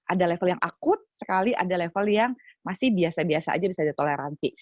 ada level yang akut sekali ada level yang masih biasa biasa saja bisa ditoleransi